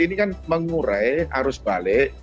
ini kan mengurai arus balik